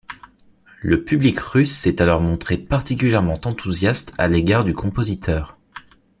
Le public russe s’est alors montré particulièrement enthousiaste à l’égard du compositeur.